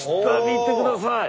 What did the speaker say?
見てください。